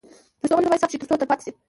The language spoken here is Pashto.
پښتو غږونه باید ثبت شي ترڅو تل پاتې شي.